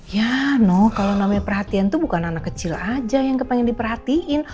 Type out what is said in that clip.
ya noh kalau namanya perhatian tuh bukan anak kecil aja yang kepengen diperhatiin